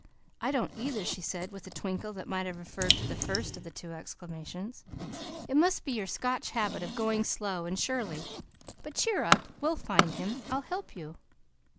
"I don't either," she said, with a twinkle that might have referred to the first of the two exclamations. "It must be your Scotch habit of going slowly and surely. But cheer up! We'll find him. I'll help you."